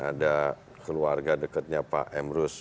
ada keluarga dekatnya pak emrus